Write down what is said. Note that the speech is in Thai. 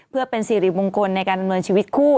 เพื่อเป็นสิริมงคลในการดำเนินชีวิตคู่